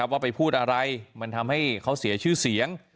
ว่าไปพูดอะไรมันทำให้เขาเสียชื่อเสียง